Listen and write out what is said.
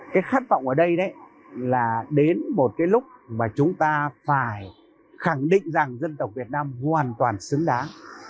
cái khát vọng ở đây đấy là đến một cái lúc mà chúng ta phải khẳng định rằng dân tộc việt nam hoàn toàn xứng đáng